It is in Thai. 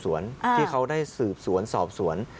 สอบสวนที่เค้าได้สืบสวนสอบสวน